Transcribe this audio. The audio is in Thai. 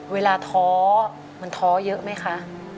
ท้อมันท้อเยอะไหมคะ